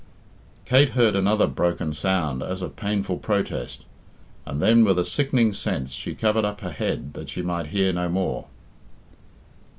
Kate heard another broken sound as of painful protest, and then with a sickening sense she covered up her head that she might hear no more.